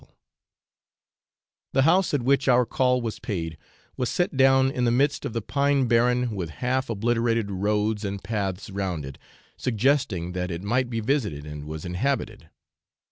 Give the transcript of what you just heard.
] The house at which our call was paid was set down in the midst of the Pine Barren with half obliterated roads and paths round it, suggesting that it might be visited and was inhabited.